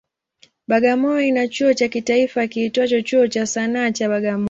Bagamoyo ina chuo cha kitaifa kiitwacho Chuo cha Sanaa cha Bagamoyo.